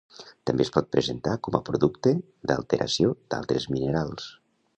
També es pot presentar com a producte d'alteració d'altres minerals.